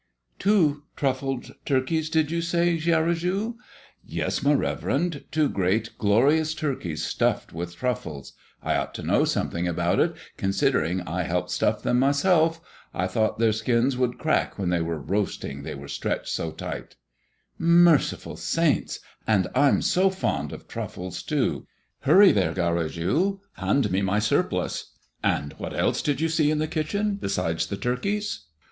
"Two truffled turkeys, did you say, Garrigou?" "Yes, my reverend, two great, glorious turkeys stuffed with truffles. I ought to know something about it, considering I helped stuff them myself. I thought their skins would crack while they were roasting, they were stretched so tight " "Merciful Saints! And I'm so fond of truffles too! Hurry there, Garrigou, hand me my surplice. And what else did you see in the kitchen besides the turkeys?"